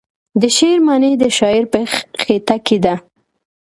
د شعر معنی د شاعر په خیټه کې ده.